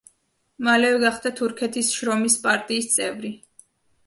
მალევე გახდა თურქეთის შრომის პარტიის წევრი.